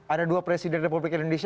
ada dua presiden republik indonesia